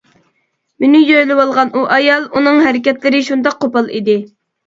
مېنى يۆلىۋالغان ئۇ ئايال، ئۇنىڭ ھەرىكەتلىرى شۇنداق قوپال ئىدى.